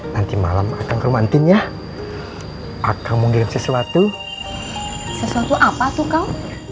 nanti malam akan kerumahan tinnya akan mengirim sesuatu sesuatu apa tuh kau